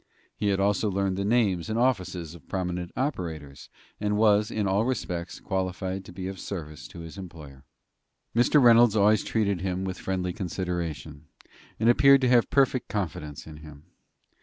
He had also learned the names and offices of prominent operators, and was, in all respects, qualified to be of service to his employer. Mr. Reynolds always treated him with friendly consideration, and appeared to have perfect confidence in him.